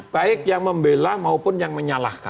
baik yang membela maupun yang menyalahkan